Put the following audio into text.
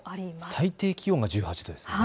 最低気温が１８度です。